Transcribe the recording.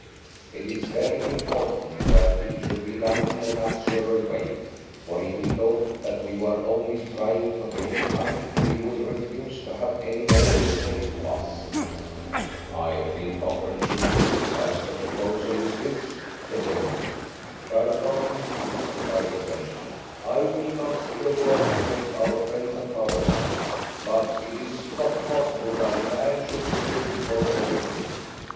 "It is very important that it should be done in a natural way, for if he thought that we were only trying to gain time, he would refuse to have any more to say to us." "I think Cochrane should do it, as the proposal is his," said Belmont. "Pardon me!" cried the Frenchman. "I will not say a word against our friend the Colonel, but it is not possible that a man should be fitted for everything.